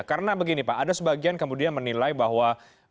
karena begini pak ada sebagian menilai bahwa